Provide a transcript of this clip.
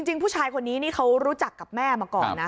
จริงผู้ชายคนนี้นี่เขารู้จักกับแม่มาก่อนนะ